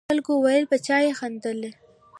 خلکو ویل چې پچه یې ختلې ده.